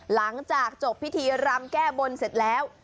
หลังจากจบพิธีรำแก้บนเสร็จแล้ว